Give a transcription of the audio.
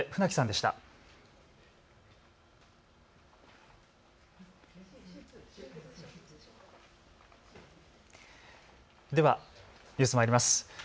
ではニュース、まいります。